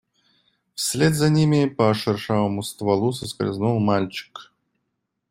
Вслед за ними по шершавому стволу соскользнул мальчик.